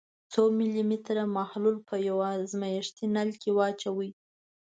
څو ملي لیتره محلول په یو ازمیښتي نل کې واچوئ.